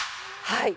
はい。